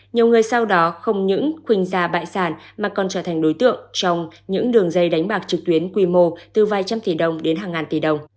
nhiều người sau đó không những khuyên ra bại sản mà còn trở thành đối tượng trong những đường dây đánh bạc trực tuyến quy mô từ vài trăm tỷ đồng đến hàng ngàn tỷ đồng